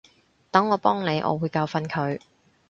等我幫你，我會教訓佢